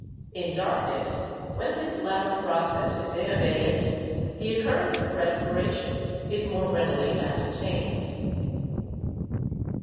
In darkness, when this latter process is in abeyance, the occurrence of respiration is more readily ascertained."